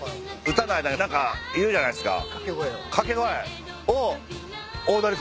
歌が何か言うじゃないっすか。